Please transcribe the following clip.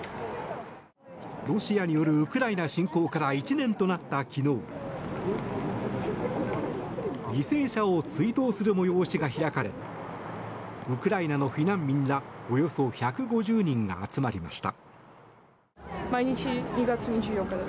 ロシアによるウクライナ侵攻から１年となった昨日犠牲者を追悼する催しが開かれウクライナの避難民らおよそ１５０人が集まりました。